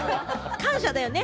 感謝だよね？